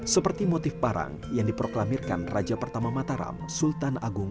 seperti motif parang yang diproklamirkan raja pertama mataram sultan agung